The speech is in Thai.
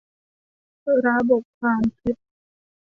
ระบบความคิด